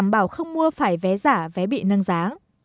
nếu khách không mua phải vé giả vé bị nâng giá